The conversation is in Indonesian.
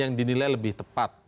yang dinilai lebih tepat